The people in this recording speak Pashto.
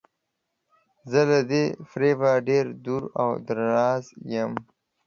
زه له دې فریبه ډیر دور او دراز یم.